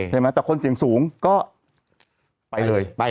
แต่คนเสี่ยงสูงก็ไปเลย